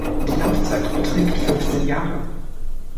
Die Laufzeit beträgt fünfzehn Jahre.